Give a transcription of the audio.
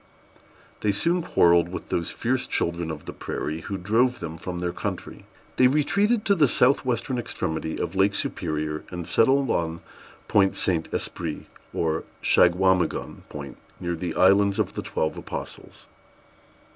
They soon quarrelled with those fierce children of the prairie, who drove them from their country. They retreated to the south western extremity of Lake Superior, and settled on Point Saint Esprit, or Shagwamigon Point, near the Islands of the Twelve Apostles.